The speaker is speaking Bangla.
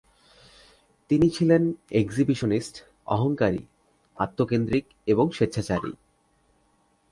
তিনি ছিলেন "এক্সিবিশনিস্ট, অহংকারী, আত্মকেন্দ্রিক এবং স্বেচ্ছাচারী"।